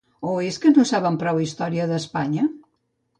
O és que no sabem prou història d’Espanya?